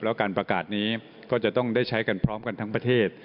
แล้วการประกาศนี้ก็จะต้องได้ใช้กันพร้อมกันทั้งประเทศ